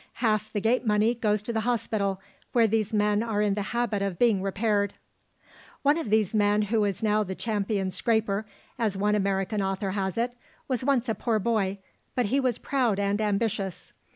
Half the gate money goes to the hospital where these men are in the habit of being repaired. "One of these men, who is now the champion scrapper, as one American author has it, was once a poor boy, but he was proud and ambitious.